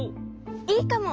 いいかも！